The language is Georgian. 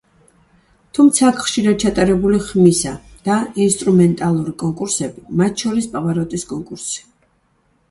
თუმცა აქ ხშირად ჩატარებული ხმისა და ინსტრუმენტალური კონკურსები, მათ შორის პავაროტის კონკურსი.